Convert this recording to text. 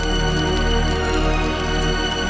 kami buke krisnya danordcu them